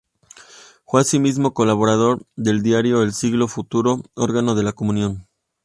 Fue asimismo colaborador del diario "El Siglo Futuro", órgano de la Comunión.